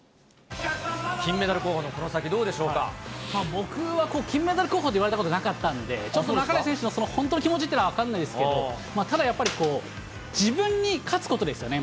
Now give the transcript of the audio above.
金メダル候補のこの先、僕は金メダル候補といわれたことなかったんで、ちょっと半井選手の本当の気持ちというのは分かんないですけど、ただやっぱり自分に勝つことですよね。